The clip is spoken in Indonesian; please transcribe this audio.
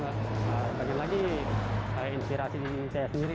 sebagian lagi saya inspirasi di sini saya sendiri